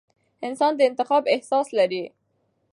انسان د انتخاب احساس لري.